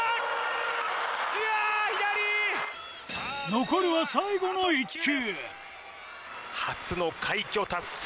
残るは最後の一球。